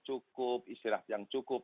cukup istirahat yang cukup